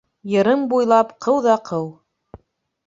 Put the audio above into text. — Йырын буйлап ҡыу ҙа ҡыу.